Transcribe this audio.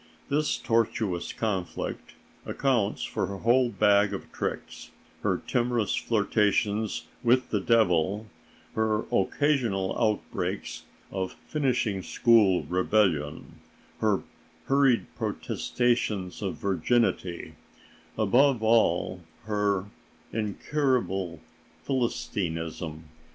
This tortuous conflict accounts for her whole bag of tricks; her timorous flirtations with the devil, her occasional outbreaks of finishing school rebellion, her hurried protestations of virginity, above all her incurable Philistinism.